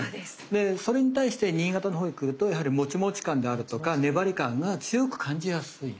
でそれに対して新潟のほうに来るとやはりモチモチ感であるとか粘り感が強く感じやすい。